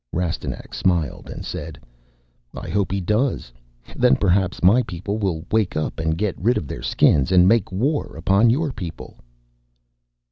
Rastignac smiled and said, "I hope he does. Then perhaps my people will wake up and get rid of their Skins and make war upon your people."